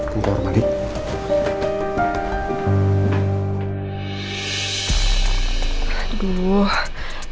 buka rumah lagi